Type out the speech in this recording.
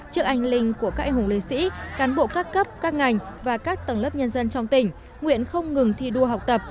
trước anh linh của các anh hùng liệt sĩ cán bộ các cấp các ngành và các tầng lớp nhân dân trong tỉnh nguyện không ngừng thi đua học tập